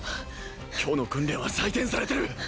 今日の訓練は採点されてる。